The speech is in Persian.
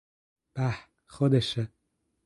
به، خودشه!